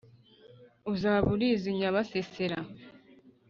Uzaba uruzi Nyabasesera